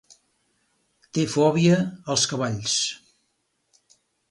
Té fòbia als cavalls.